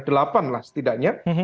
delapan lah setidaknya